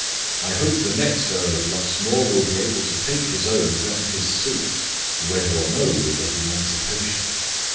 I hope the next Earl of Luxmore will be able to take the oaths and his seat, whether or no we get Emancipation.